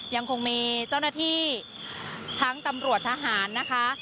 ยังคงมีเจ้าหน้าที่ทั้งตำรวจทหารนะคะ